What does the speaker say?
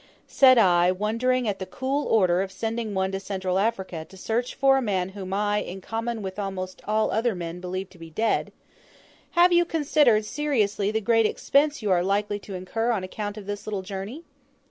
Said I, wondering at the cool order of sending one to Central Africa to search for a man whom I, in common with almost all other men, believed to be dead, "Have you considered seriously the great expense you are likely, to incur on account of this little journey?"